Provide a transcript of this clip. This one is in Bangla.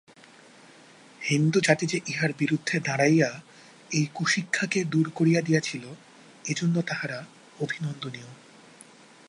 হিন্দুজাতি যে ইহার বিরুদ্ধে দাঁড়াইয়া এই কুশিক্ষাকে দূর করিয়া দিয়াছিল, এজন্য তাহারা অভিনন্দনীয়।